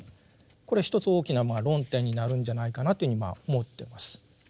これは一つ大きな論点になるんじゃないかなというふうに思ってます。